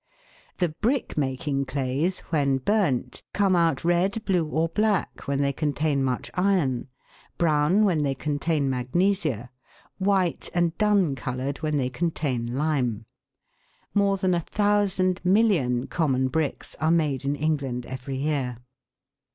The brick making clays when burnt come out red, blue, or black, when they contain much iron, brown when they contain magnesia, white and dun coloured when they con tain lime. More than a thousand million common bricks are made in England every year.